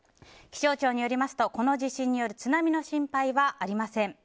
気象庁によりますとこの地震による津波の心配はありません。